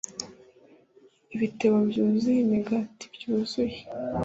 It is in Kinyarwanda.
Ibitebo byuzuye imigati byuzuye